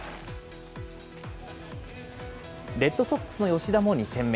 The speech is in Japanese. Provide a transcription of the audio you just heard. レッドソックスの吉田も２戦目。